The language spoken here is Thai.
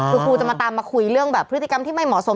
คือครูจะมาตามมาคุยเรื่องแบบพฤติกรรมที่ไม่เหมาะสม